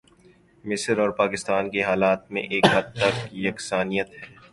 مصر اور پاکستان کے حالات میں ایک حد تک یکسانیت ہے۔